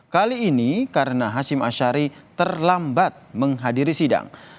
kali ini karena hashim ashari terlambat menghadiri sidang